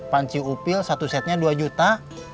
panci upil satu setnya dua juta